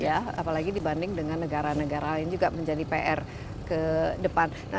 apalagi dibanding dengan negara negara lain juga menjadi pr ke depan